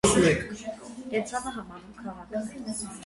Կենտրոնը համանուն քաղաքն է։